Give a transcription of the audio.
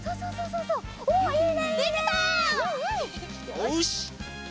よし！